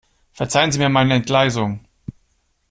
Verzeihen Sie mir meine Entgleisung.